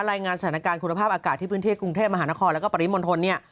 ในงานสถานการณ์คุณภาพอากาศที่พื้นเทศกรุงเทพฯมหานครและปริมลธน